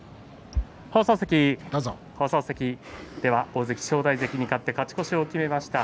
大関正代関に勝って勝ち越しを決めました